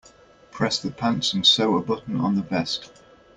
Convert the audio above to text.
Press the pants and sew a button on the vest.